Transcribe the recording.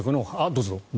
どうぞ。